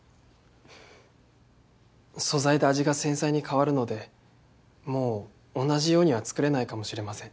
素材で味が繊細に変わるのでもう同じようには作れないかもしれません。